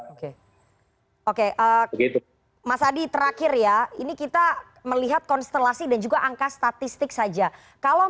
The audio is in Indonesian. oke oke mas adi terakhir ya ini kita melihat konstelasi dan juga angka statistik saja kalau